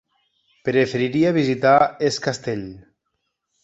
Preferiria visitar Es Castell.